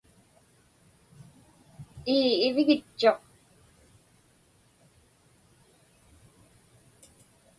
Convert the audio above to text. Ii, ivġitchuq.